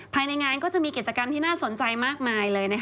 ภายในงานก็จะมีกิจกรรมที่น่าสนใจมากมายเลย